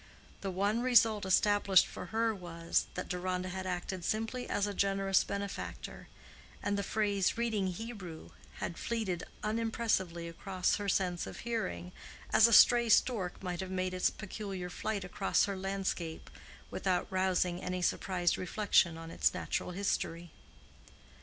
The one result established for her was, that Deronda had acted simply as a generous benefactor, and the phrase "reading Hebrew" had fleeted unimpressively across her sense of hearing, as a stray stork might have made its peculiar flight across her landscape without rousing any surprised reflection on its natural history.